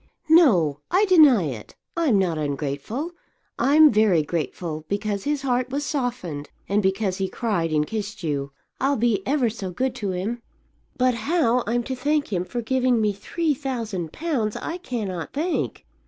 "No, I deny it. I'm not ungrateful. I'm very grateful, because his heart was softened and because he cried and kissed you. I'll be ever so good to him! But how I'm to thank him for giving me three thousand pounds, I cannot think.